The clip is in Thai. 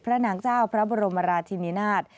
นางเจ้าพระบรมราชินินาศ